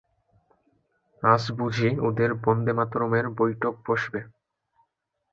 আজ বুঝি ওদের বন্দেমাতরমের বৈঠক বসবে!